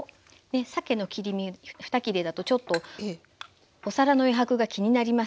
さけの切り身ふた切れだとちょっとお皿の余白が気になりますが